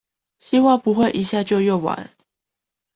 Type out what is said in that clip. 希望不會一下就用完